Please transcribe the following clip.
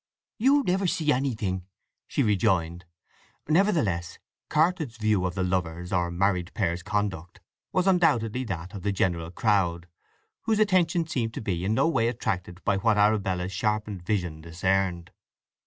"You never see anything," she rejoined. Nevertheless Cartlett's view of the lovers' or married pair's conduct was undoubtedly that of the general crowd, whose attention seemed to be in no way attracted by what Arabella's sharpened vision discerned.